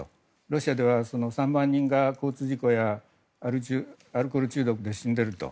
ロシアでは３万人が交通事故やアルコール中毒で死んでいると。